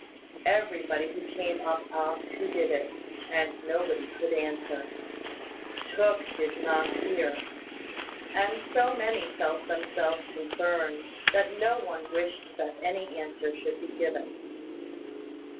Everybody who came up asked who did it; and nobody could answer. Tooke did not hear; and so many felt themselves concerned, that no one wished that any answer should be given.